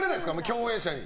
共演者に。